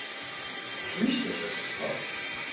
Oczywiście, że jestem za